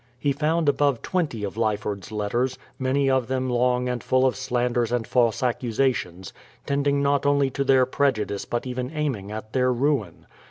He found above twenty of Lyford's letters, many of them long and full of slanders and false accusations, tending not only to their prejudice but even aiming at their ruin.